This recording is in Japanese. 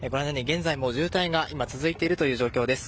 現在も渋滞が続いている状況です。